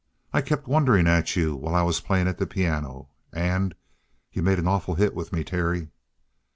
I kept wondering at you while I was at the piano. And you made an awful hit with me, Terry."